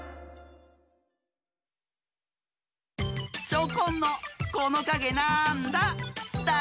チョコンの「このかげなんだ？」